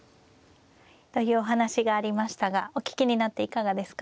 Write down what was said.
というお話がありましたがお聞きになっていかがですか。